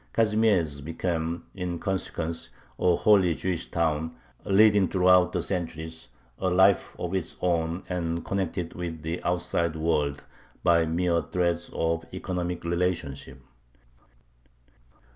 Kazimiezh became, in consequence, a wholly Jewish town, leading throughout the centuries a life of its own, and connected with the outside world by mere threads of economic relationship.